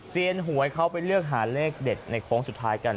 เซียนห่วยเขาไปเลือกหาเลขเด็ดในของสุดท้ายกัน